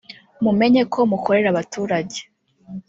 mumenyeko mukorera abaturage